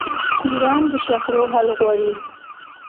ایران د شخړو حل غواړي.